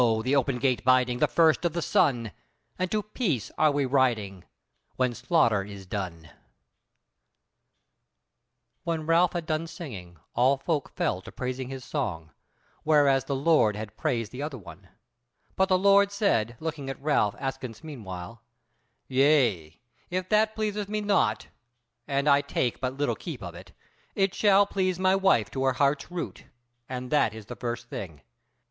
the open gate biding the first of the sun, And to peace are we riding when slaughter is done. When Ralph had done singing, all folk fell to praising his song, whereas the Lord had praised the other one; but the Lord said, looking at Ralph askance meanwhile: "Yea, if that pleaseth me not, and I take but little keep of it, it shall please my wife to her heart's root; and that is the first thing.